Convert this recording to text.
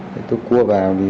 thì tôi cua vào đi